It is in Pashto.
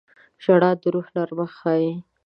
• ژړا د روح نرمښت ښيي.